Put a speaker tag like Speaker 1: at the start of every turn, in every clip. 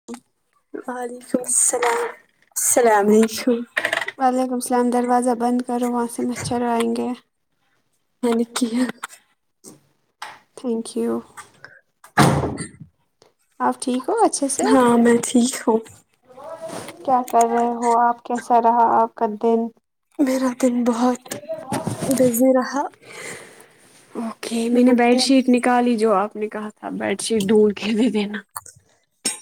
Speaker 1: [inaudible]
Speaker 2: وعلیکم السلام السلام علیکم
Speaker 1: وعلیکم السلام دروازہ بند کرو وہاں سے مچھر آائیں گے
Speaker 2: میں نے کیا
Speaker 1: تھینک یو
Speaker 2: [inaudible]
Speaker 1: آپ ٹھیک ہو اچھے سے
Speaker 2: ہاں میں ٹھیک ہوں
Speaker 1: کیا کر رہے ہو آپ کیسا رہا آپ کا دن
Speaker 2: میرا دن بہت بزی رہا میں
Speaker 1: کالی جو آپ نے کہا تھا بیڈ شیٹ ڈھونڈ کے دے دینا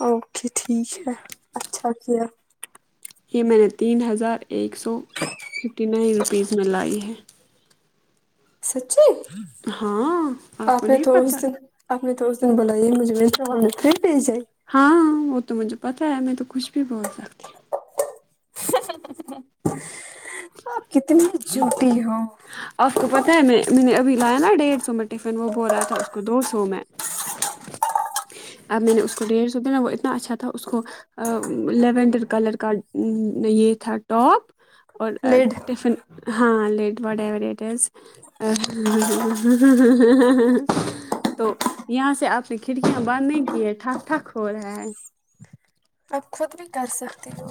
Speaker 2: اوکے ٹھیک ہے اچھا کیا
Speaker 1: یہ میں نے تین ہزار ایک سو ففٹی نائن روپیز میں لائی ہے
Speaker 2: سچی
Speaker 1: ہاں کو
Speaker 2: آپ نے
Speaker 1: نہیں
Speaker 2: تو
Speaker 1: پتا
Speaker 2: اس دن آپ نے تو اس دن بولا یہ مجھے منترا والوں نے پھر بھیج ہے
Speaker 1: ہاں وہ تو مجھے پتا ہے میں تو کچھ بھی بول سکتی ہوں
Speaker 2: آپ کتنی جوٹی ہو
Speaker 1: آپ کو پتہ ہے میں میں نے ابھی لایا نا ڈیڑھ سو میں ٹفن وہ بول رہا تھا اس کو دو سو میں اب میں نے اس کو ڈیڑھ سو دینا وہ اتنا اچھا تھا اس کو لیونڈر کلر کا یہ تھا ٹاپ اور
Speaker 2: لڈ
Speaker 1: ٹفن ہاں لیٹ واٹ ایورٹ ایز تو یہاں سے آپ نے کھڑکیاں بند نہیں کی ہے ٹھاک ٹھاک ہو رہا ہے
Speaker 2: آپ خود بھی کر سکتی ہو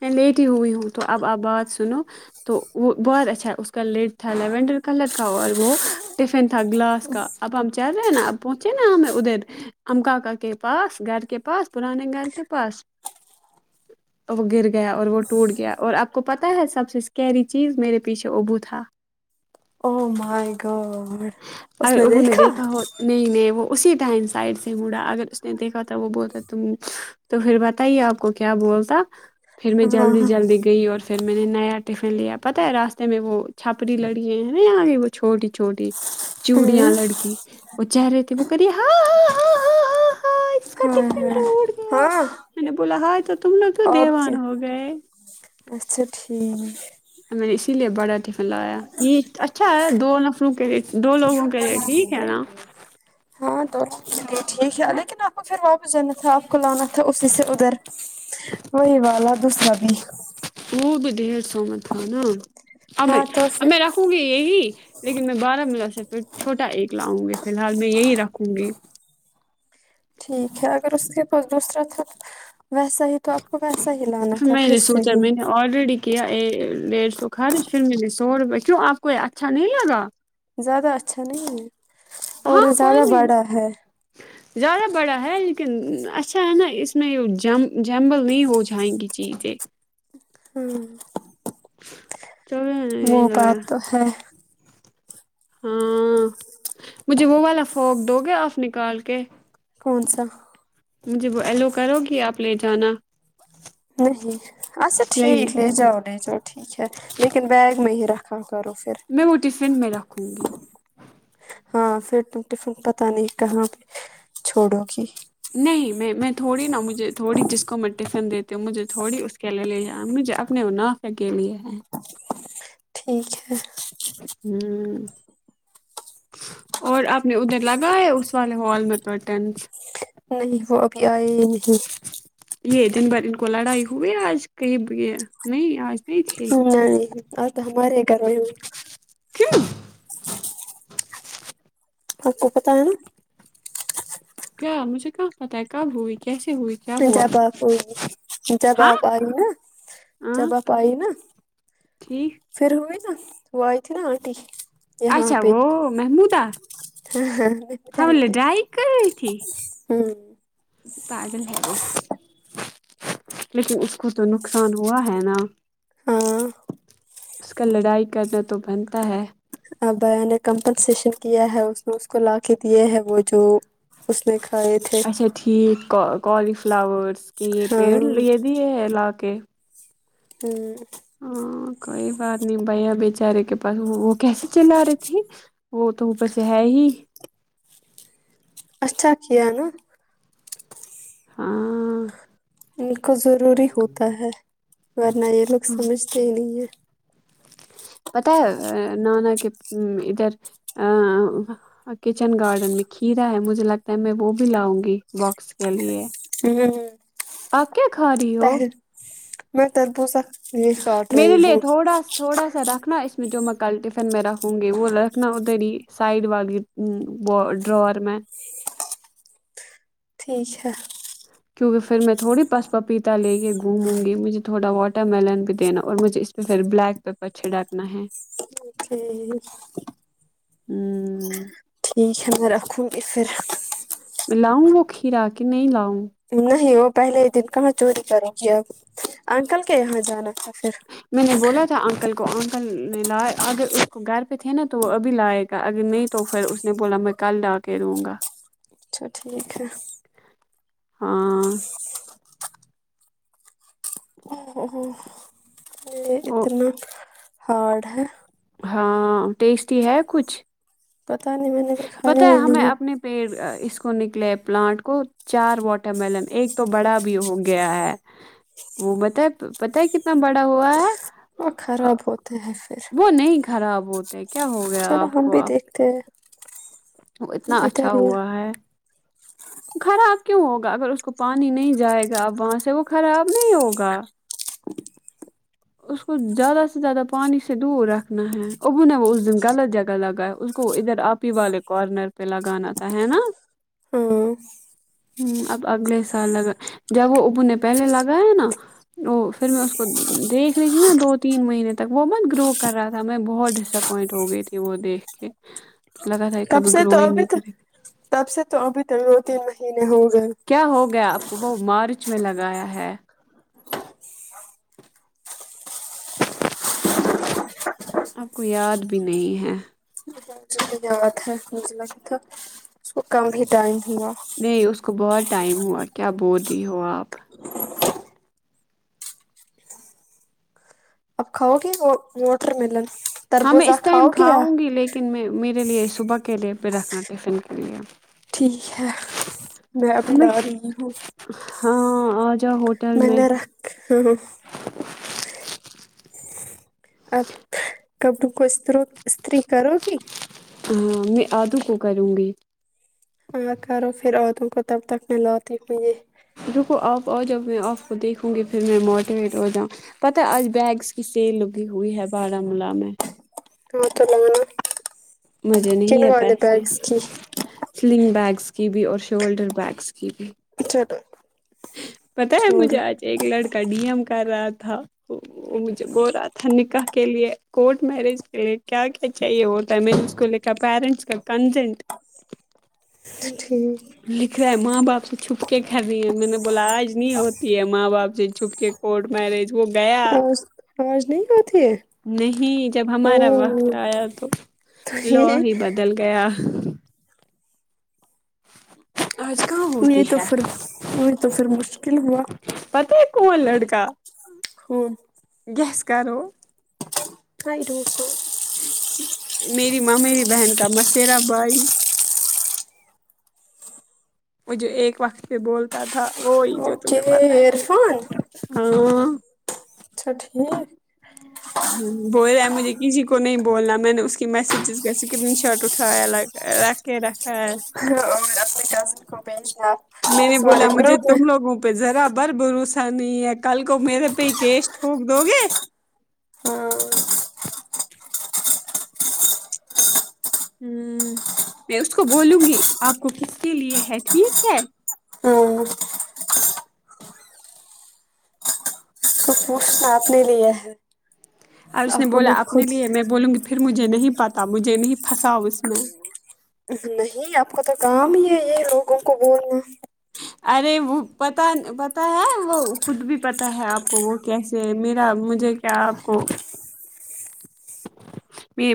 Speaker 1: میں لیٹ ہی ہوئی ہوں تو اب آپ بات سنو تو وہ بہت اچھا اس کا لیڈ تھا لیینڈر کلر کا اور وہ ٹفن تھا گلاس کا اب ہم چل رہے ہیں نا اب پہنچے نا ہمیں ادھر ا کااکا کے پاس گھر کے پاس پرانے گھر کے پاس تو وہ گر گیا اور وہ ٹوٹ گیا اور آپ کو پتاہ ہے سب سے اسکری چیز میرے پیچھے ابو تھا
Speaker 2: او مائی گوڈ
Speaker 1: اور ابوون دیکھا ہت نئی نئی وہ اسی ٹائم سائٹ سے مڈا اگر اس نے دیکھا تھا وہ بہولتا ہے تم تو پھر بتائیے آپ کو کیا بولتا پھر میں
Speaker 2: ہاں
Speaker 1: جلدی جلدی گئی اور پھر میں نے نیا ٹفن لیا پتہ ہے راستے میں وہ چھپڑ لڑی ہیں نا یہاں کی وہ چھوٹی چھوٹی
Speaker 2: ہاں
Speaker 1: چوڑیاں لڑکی وہ چہرےتی وہ کر یہ ہاں آ ا ا ہاں اس کا
Speaker 2: ہاں
Speaker 1: ٹفن
Speaker 2: ہاں
Speaker 1: ٹوٹ گیا
Speaker 2: ہاں
Speaker 1: میں نے بولا ہائے تو تم لوگ تو
Speaker 2: آپ کے
Speaker 1: دیوانا ہو گئے
Speaker 2: اچھا ٹھیک
Speaker 1: میں نے اسی لیے بڑا ٹفن لایا یہ اچھا ہے دو نفروں کے دو لوگوں کے لیے ٹھیک ہے نا
Speaker 2: ہاں تو چ لیے ٹھیک ہے لیکن آپ کو پھر واپس جانا تھا آپ کو لانا تھا اسی سے ادھر وہی والا دوسرا بھی
Speaker 1: وہ بھی ڈھیر سو میں تھا نا اب میں
Speaker 2: ہاں تو
Speaker 1: اب
Speaker 2: پھر
Speaker 1: میں رکھوں گی یہی لیکن میں بارہ ملا سے پھر چھوٹا ایک لاؤں گی فلحال میں یہی رکھوں گی
Speaker 2: ٹھیک ہے اگر ا اسس کے پاس دوسرا تھا ویسا ہی تو آپ کو ویسا ہی لانا تھا
Speaker 1: میں
Speaker 2: پھر
Speaker 1: نے
Speaker 2: سے
Speaker 1: سوچا
Speaker 2: ہی
Speaker 1: میں نے آلریڈی کیا ڈیڑھ سو خار پھر مے سو روپئے کیوں آپ کو یہ اچھا نہیں لگا
Speaker 2: زیادہ اچھا نہیں ہے اور
Speaker 1: ہاں کوئی
Speaker 2: زیادہ
Speaker 1: نہیں
Speaker 2: بڑا ہے
Speaker 1: زیادہ بڑا ہے لیکن اچھا ہے نا اس میں جم جنبل نہیں ہو جائیں گی چیزیں
Speaker 2: ہوں
Speaker 1: چلو
Speaker 2: وہ
Speaker 1: نہیں لایا۔
Speaker 2: بات تو ہے
Speaker 1: ہاں مجھے وہ والا فوک دو گے آپ نکال کے
Speaker 2: کون سا
Speaker 1: مجھے وہ ایلو کرو گی آپ لے جانا
Speaker 2: نہیں اچھا
Speaker 1: نہیں
Speaker 2: ٹھیک لے جاؤ لے جاؤ ٹھیک ہے لیکن بیگ میں ہی رکھاں کرف
Speaker 1: میں وہ ٹفن میں رکھوں گی
Speaker 2: ہاں پھر تم ٹفن پتا نہیں کہاں پہ چھوڑو گی
Speaker 1: نہیں میں میں تھوڑی نا مجھے تھوڑی جس کو م ٹفن دیتی ہوں مجھے تھوڑی اس کے لے لے آ مجھے اپنے نفع کے لیے
Speaker 2: ٹھیک ہے
Speaker 1: ہوں اور آپ نے ادھر لگاائے اس والے ہال میں پرٹنس
Speaker 2: نہیں وہ ابھی آئے ہی نہیں مجھے
Speaker 1: یہ دن بھر ان کو لڑائی ہوئی آج کہئی یہ نہیں آج نہیں تھی
Speaker 2: نہیں نہیں اور تو ہمارے ہی گھر میں ہوئی
Speaker 1: کیوں
Speaker 2: آپ کو پتا ہے نا
Speaker 1: کیا مجھے کہاں پتہ ہے کب ہوئی کیسے ہوئی کیا ہوا
Speaker 2: جب آپ ہوئی جب
Speaker 1: ہاں
Speaker 2: آپ آ رہی نا
Speaker 1: ہاں
Speaker 2: جب آپ آئی نا
Speaker 1: ٹھیک
Speaker 2: پھر ہوئی نا وہ آی تھی نا آنٹی یہاں
Speaker 1: اچھا
Speaker 2: پہ
Speaker 1: وہ محمودا
Speaker 2: ہاں پتا
Speaker 1: ہم
Speaker 2: آنٹی
Speaker 1: لڈائی کر رہی تھی
Speaker 2: ہوں
Speaker 1: پاگل ہے وہ لیکن اس کو تو نقصان ہوا ہے نا
Speaker 2: ہاں
Speaker 1: اس کا لڑائی کرنا تو بنتا ہے
Speaker 2: ابا نے کمپنسیشن کیا ہے اس اس کو لا کے دیے ہے وہ جو اس نے کھائے تھے
Speaker 1: اچھا ٹھیک کالی فلاورس کے یہ
Speaker 2: ہاں
Speaker 1: پیڑ یہ دیے ہیں لا کے
Speaker 2: ہوں
Speaker 1: ہمم کوئی بات نہیں بھیا بیچارے کے پاس وہ وہ کیسے چلا رہی تھی وہ تو اوپر سے ہے ہی
Speaker 2: اچھا کیا نا
Speaker 1: ہاں
Speaker 2: ان کو ضروری ہوتا ہے ورنہ یہ لوگ
Speaker 1: ہاں
Speaker 2: سمجھتے ہی نہیں ہیں
Speaker 1: پت ہے نہ نانا کہ ادھر ا کچن گارڈن میں کھیرا ہے مجھے لگتا ہے میں وہ بھی لاؤں گی باکس کے لیے
Speaker 2: ہمم ہمم
Speaker 1: آپ کیا کھا رہی ہو
Speaker 2: میں تربو زہ کھا
Speaker 1: میرے لیے تھوڑا سا تھوڑا سا رکھنا اس جو میں کل ٹفن میں رکھوں گی وہ رکھنا ادھر ہی سائڈ والی ڈراور میں
Speaker 2: ٹھیک ہے
Speaker 1: کیونکہ پھر میں تھوڑی پس پاپیتا لے کے گھوموں گی مجھے تھوڑا واٹر ملن بھی دینا اور مجھے اس تو پھر بلیک پیپر چھڑکنا ہے
Speaker 2: [unintelligible]
Speaker 1: ہوں
Speaker 2: ٹھیک ہے میں رکھوں گی پھر
Speaker 1: میں لاؤں وہ کھیرا کہ نہیں لاؤں
Speaker 2: نہیں وہ پہلے دن کہاں چوری کرے گی اب انکل کے یہاں جانا تھا پھر
Speaker 1: میں نے بولا تھا انکل اکل نے لایا اگر اس کو گھر پہ تھے نا تو وہ ابھی لائے گا اگر نہیں تو پھر اس نے بولا میں کل آ کے لوں گا
Speaker 2: اچھا ٹھیک ہے
Speaker 1: ہاں
Speaker 2: ا یہ
Speaker 1: او
Speaker 2: اتنا ہارڈ ہے
Speaker 1: ہاں ٹیسٹی ہے کچھ
Speaker 2: پتا نہیں میں نے بھی کھایا
Speaker 1: پتا ہے
Speaker 2: ہی
Speaker 1: ہمیں
Speaker 2: نہیں
Speaker 1: اپنے پیڑ اس کو نکلے پلانٹ کو چار واٹر ملن ایک تو بڑا بھی ہو گیا ہے وہ بتا ہے پتا ہے کتنا بڑا ہوا ہے
Speaker 2: وہ
Speaker 1: آ،
Speaker 2: خراب ہوتے ہیں پھر
Speaker 1: وہ نہیں خراب ہوتے کیا ہو گیا
Speaker 2: چلو
Speaker 1: آپ
Speaker 2: ہم
Speaker 1: کو
Speaker 2: بھی
Speaker 1: آپ
Speaker 2: دیکھتے ہیں
Speaker 1: وہ
Speaker 2: ہم
Speaker 1: اتنا اچھا
Speaker 2: ادھر ہی ہیں۔
Speaker 1: ہوا ہے خراب کیوں ہوگا اگر اس کو پانی نہیں جائے گا اب وہاں سے وہ خراب نہیں ہوگا اس کو زیادہ سے زیادہ پانی سے دور رکھنا ہے ابو نے وہ اس دن غلط جگہ لگا ہے اس کو ادھر آپ والے کو کارنر پہ لگانا تھا ہے نا
Speaker 2: ہاں
Speaker 1: ہمم اب اگلے سال لگا جب وہ ابو نے پہلے لگایا نا او پھر میں اس کو دیکھ رہی تھی نا دو تین مہینے تک وہ بت گرو کر رہا تھا میں بہت ڈسپوائنٹ ہو گئی تھی وہ دیکھ کے لگا تھا
Speaker 2: کب
Speaker 1: کبھی
Speaker 2: سے تو
Speaker 1: گرو ہی
Speaker 2: ابھی
Speaker 1: نہیں
Speaker 2: تو
Speaker 1: کرے
Speaker 2: تب سے تو ابھی تو دو تین مہینے ہو گئے
Speaker 1: کیا ہو گیا آپ کو وہ مارچ میں لگایا ہے آپ کو یاد بھی نہیں ہے
Speaker 2: د ہے مجلہ کہ تھا اس کو کم ہی ٹائم ہوا
Speaker 1: نہیں اس کو بہت ٹائم ہوا کیا بول رہی ہو آپ
Speaker 2: آپ کھاؤ گے وہ واٹر ملن
Speaker 1: ہاں میں
Speaker 2: تربوزہ
Speaker 1: اس
Speaker 2: کھاؤ
Speaker 1: ٹائم
Speaker 2: گے
Speaker 1: کھاؤں گی لیکن میں میرے لیے صبح کے لیے بھی رکھنا ٹفن کے لیے
Speaker 2: ٹھیک ہے میں ابھی لا رہی ہوں
Speaker 1: ہاں آ جا ہوٹل
Speaker 2: میں نے رکھ ہاں ہاں آپ کب تم کو اسرو استری کرو گی
Speaker 1: ہاں میں آدو کو کروں گی
Speaker 2: آ کرو پھر عورتوں کو تب تک میںلاتی ہوں یہ
Speaker 1: رکو آپ آ جب میں آپ کو دیکھوں گی پھر میں موٹیویٹ ہو جاؤں پتہ آج بیگس کی سیل اگی ہوئی ہے بارہاملہ میں
Speaker 2: نا تلنگانہ
Speaker 1: مزے نہیں ہیں پیسے سلنگ بیگس کی بھی اور شولڈر بیگس کی بھی
Speaker 2: اچھاٹ
Speaker 1: پتا ہے مجھے آج ایک لڑکا ڈی ایم کر رہا تھا تو وہ مجھے بول رہا تھا نکاح کے لیے کورٹ میرج کے لیے کیا کیا چاہیے ہوتا ہے میں نے اس کو لکھا پیرنٹس کا کنسینٹ
Speaker 2: ٹھیک
Speaker 1: لکھ رہا ہے ماں باپ سے چھپک کر رہی ہے میں نے بولا آج نہیں ہوتی ہے ماں باپ سے چھپ کے کورٹ میرج وہ گیا
Speaker 2: آج آج نہیں ہوتی ہے
Speaker 1: نہیں جب ہمارا وقت
Speaker 2: او
Speaker 1: آیا تو
Speaker 2: تو
Speaker 1: لا
Speaker 2: یہ
Speaker 1: ہی بدل گیا آج کہاں ہوتی
Speaker 2: یہ تو
Speaker 1: ہے
Speaker 2: پھر یہ تو پھر مشکل ہوا
Speaker 1: پتا ہے کون لڑکا
Speaker 2: ہوں
Speaker 1: گیس کرو
Speaker 2: آئی رو سو
Speaker 1: میری ماں میری بہن کا مسرا بھائی وہ جو ایک وقت سے بولتا تھا وہی جو
Speaker 2: اوکے
Speaker 1: تمہیں پتا
Speaker 2: عرفان
Speaker 1: ہے ہاں
Speaker 2: اچھا ٹھیک
Speaker 1: بول رہا ہے مجھے کسی کو نہیں بولنا میں نے اس کے میسجز کاس کرن شاٹ اٹھایا لائ رکھے رکھا ہے
Speaker 2: اور اپنے کزن کو بھیجناار تو سے گروپ میں
Speaker 1: پ ذرا بر بھروسا نہیں ہے کل کو میرے پہ ہی کیش ٹوک دو گے
Speaker 2: ہاں
Speaker 1: ہوں میں اس کو بولوں گی آپ کو کس کے لیے ہے ٹھیک ہے
Speaker 2: ہاں اسنیپ نے لیا ہے
Speaker 1: اور اس نے
Speaker 2: آپ کو
Speaker 1: بولا
Speaker 2: مت
Speaker 1: اپنے
Speaker 2: خود
Speaker 1: لیے میں بولوں گی پھر مجھے نہیں پتاہ مجھے نہیں پھنسا اس میں
Speaker 2: نہیں آپ کو تو کام ہی ہے یہ لوگوں کو بولنا
Speaker 1: ارے وہ پتا پتا ہے وہ خود بھی پتا ہے آپ کو وہ کیسے میرا مجھے کیا آپ کو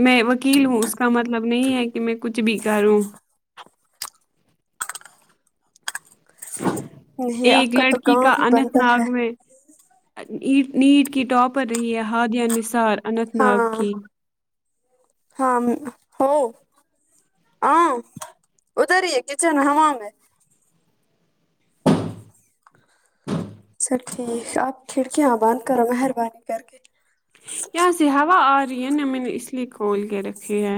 Speaker 1: میں وکیل ہوں اس کا مطلب نہیں ہے کہ میں کچھ بھی کروں
Speaker 2: نہیں آپ
Speaker 1: ایک
Speaker 2: تو
Speaker 1: لڑکی
Speaker 2: کام
Speaker 1: کا
Speaker 2: ہی
Speaker 1: اننت
Speaker 2: بنتا
Speaker 1: ناگ
Speaker 2: ہے
Speaker 1: میں اٹ نیٹ کی ٹاپ پر رہی ہے ہادیہ نثار اننت ناگ
Speaker 2: ہاں
Speaker 1: کی
Speaker 2: ہاں ہو ہ ادار ہی ہے کچن ہممام میں سب ٹھیک ہے آپ کھڑکیاں بند کرو مہربانی کر کے
Speaker 1: یہاں سے ہوا آ رہی ہے نا میں نے اس لیے کھول کے رکھی ہے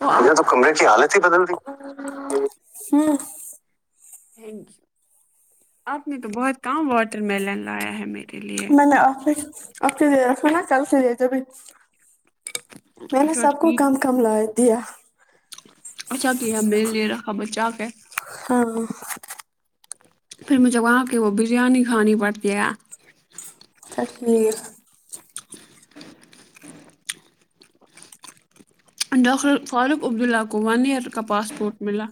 Speaker 1: تم نے تو کمرے کی حالت ہی بدل دی
Speaker 2: ہوں
Speaker 1: آپ نے تو بہت کم واٹر میلن لایا ہے میرے لیے
Speaker 2: میں آفس [unintelligible] میں نے
Speaker 1: اچھا
Speaker 2: سب کو
Speaker 1: ٹھیک
Speaker 2: کام کملہ ہے دیا
Speaker 1: اچھا کیا میرے لیے رکھا بچہ کے
Speaker 2: ہاں
Speaker 1: پھر مجھے وہاں کی وہ بریانی کھانی پڑتی ہے
Speaker 2: اچھا ٹھیک
Speaker 1: ڈاکٹر فاروق عبداللہ کو ون ایئر کا پاسپورٹ ملا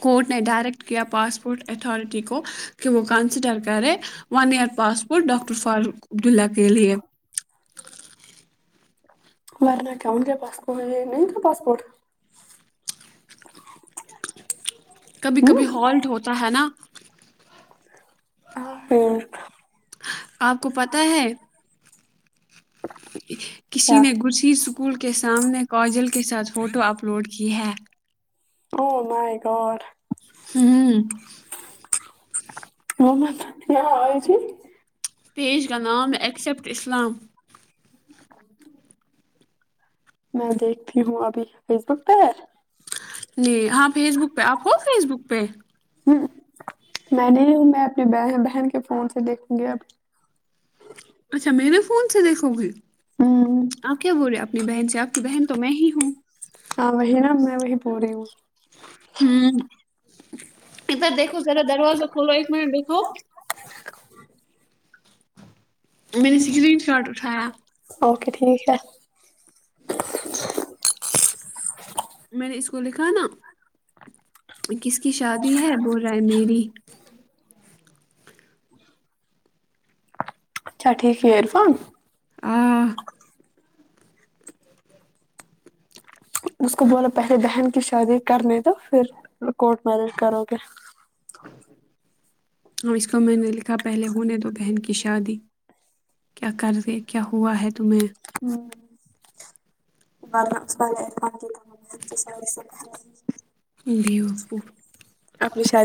Speaker 1: کورٹ نے ڈائریکٹ کیا پاسپورٹ اتھارٹی کو کہ وہ کنسیڈر کرے one year passport doctor Farooq Abdullah کے لیے
Speaker 2: ورن کین کیایا پسپورٹ یہ نہیں تھا پاسپورٹ
Speaker 1: کبھی کبھی ہالٹ ہوتا ہے نا آپ کو پتا ہے کسی نے گسی اسکول کے سامنے کاجل کے ساتھ فوٹو اپلوڈ کی ہے
Speaker 2: او مائ گوڈ
Speaker 1: ہوں
Speaker 2: وہ مت یہ ائے تھی
Speaker 1: پیج کا نام ایکسیپٹ اسلام
Speaker 2: میں دیکھتی ہوں ابھی فیس بک پے پے
Speaker 1: نہیں ہاں فیس بک پہ آپ ہو فیس بک پہ
Speaker 2: امم میں نہیں ہوں میں اپنی بہن بھاںی کے فون سے دیکھوں گی اب
Speaker 1: اچھا میں نے فون سے دیکھو گی آپ کیا بول رہے اپنی بہن سے آپ کی بہن تو میں ہی ہوں
Speaker 2: ہاں وہی نا میں وہی بولری ہوں
Speaker 1: امم ادھر دیکھو ذرا دروازہ کھولو ایک منٹ دیکھو ان میں سے اسکرین شاٹ اٹھایا
Speaker 2: اوکے ٹھیک ہے
Speaker 1: میں نے اس کو لکھا نا کس کی شادی ہے بول رہا ہے میری
Speaker 2: اچھا ٹھیک ہے ایئیر فون
Speaker 1: آہ
Speaker 2: اس کو بولو پہلے بہن کی شادی کرنی دو پھر میں کورٹ میرج کرو گا
Speaker 1: اور اس کو میں نے لکھا پہلے ہونے دو بہن کی شادی کیا کرے کیا ہوا ہے تمہیں
Speaker 2: امم [inaudible]
Speaker 1: امم امم فو
Speaker 2: اپنی شادی